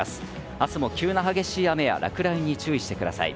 明日も急な激しい雨や落雷に注意してください。